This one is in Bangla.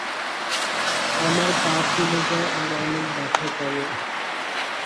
আমার পা ফুলে যায় আর অনেক ব্যথা করে।